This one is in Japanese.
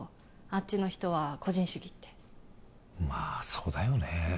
あっちの人は個人主義ってまあそうだよね